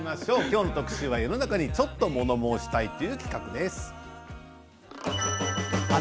今日の特集は世の中にちょっと物申したいという企画です。